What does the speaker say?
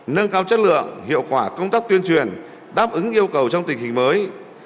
nâng cao chất lượng hiệu quả công tác tuyên truyền đáp ứng yêu cầu trong tình hình mới